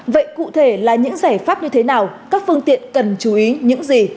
vậy cụ thể là những giải pháp như thế nào các phương tiện cần chú ý những gì